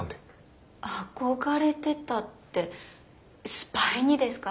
憧れてたってスパイにですか？